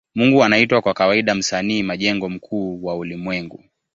Mungu anaitwa kwa kawaida Msanii majengo mkuu wa ulimwengu.